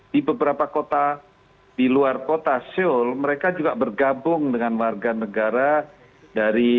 di beberapa kota di luar kota seoul mereka juga bergabung dengan warga negara dari